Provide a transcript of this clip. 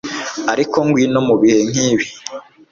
ariko ngwino mubihe nkibi